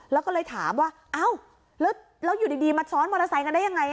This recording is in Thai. แล้วก็เลยถามว่าเอ้าแล้วอยู่ดีมาซ้อนมอเตอร์ไซค์กันได้ยังไง